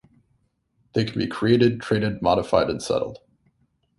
They can be created, traded, modified and settled.